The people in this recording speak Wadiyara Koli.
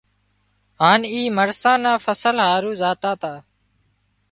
هانَ اي مرسان نا فصل هارو زاتا تا